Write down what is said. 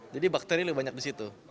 jadi bakteri lebih banyak di situ